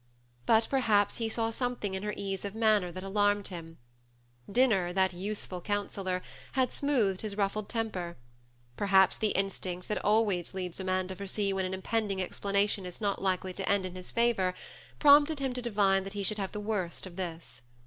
But perhaps he saw something in her ease of manner that alarmed him: dinner, that useful counsellor, had smoothed his ruffled temper ; perhaps the instinct that always leads a man to foresee when an impending explanation is not likely to end in his favor, prompted him to divine that he should have the worse of this.